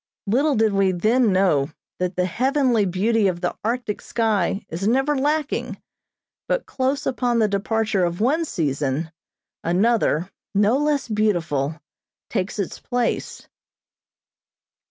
Little did we then know that the heavenly beauty of the Arctic sky is never lacking, but close upon the departure of one season, another, no less beautiful, takes its place.